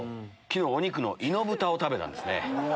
昨日お肉のイノブタを食べたんですね。